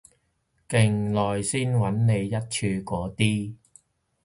勁耐先搵你一次嗰啲